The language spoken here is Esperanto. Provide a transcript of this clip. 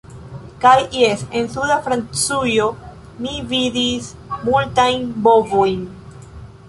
Jes, kaj en suda Francujo mi vidis multajn bovojn..